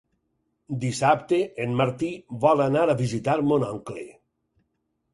Dissabte en Martí vol anar a visitar mon oncle.